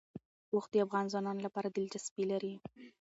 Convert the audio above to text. اوښ د افغان ځوانانو لپاره دلچسپي لري.